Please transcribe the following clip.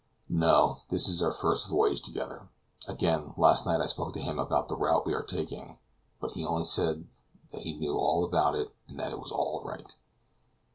"No; this is our first voyage together. Again last night I spoke to him about the route we were taking, but he only said he knew all about it, and that it was all right."